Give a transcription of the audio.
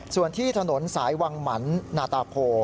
ส่วนที่ถนนสายวังหมันนาตาโพ